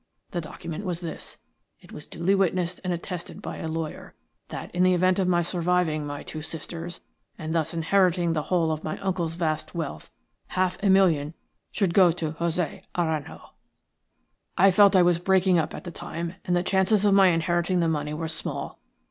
The document was this – it was duly witnessed and attested by a lawyer – that, in the event of my surviving my two sisters and thus inheriting the whole of my uncle's vast wealth, half a million should go to José Aranjo. I felt I was breaking up at the time, and the chances of my inheriting the money were small.